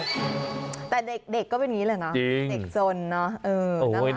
แต่เด็กก็เป็นอย่างงี้เลยนะ